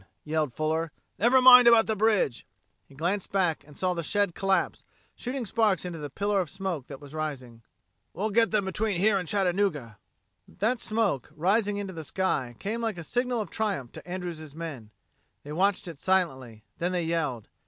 yelled Fuller. "Never mind about the bridge." He glanced back and saw the shed collapse, shooting sparks into the pillar of smoke that was rising. "We'll get them between here and Chattanooga." That smoke, rising into the sky, came like a signal of triumph to Andrews' men. They watched it silently; then they yelled.